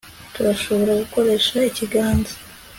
Turashobora gukoresha ikiganza